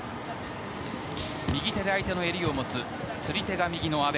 右手で相手の襟を持つ釣り手が右の阿部。